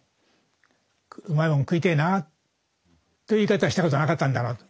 「うまいもん食いてえなあ」って言い方したことなかったんだなと。